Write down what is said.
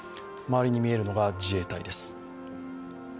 周りに見えるのが自衛隊です。